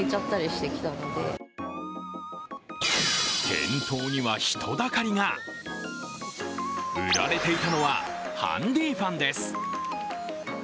店頭には人だかりが、売られていたのはハンディーファンです。